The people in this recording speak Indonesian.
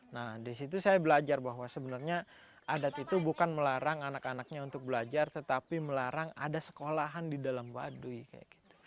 nah disitu saya belajar bahwa sebenarnya adat itu bukan melarang anak anaknya untuk belajar tetapi melarang ada sekolahan di dalam baduy kayak gitu